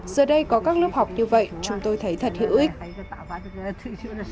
giờ đây có các lớp học như vậy chúng tôi thấy thật hữu ích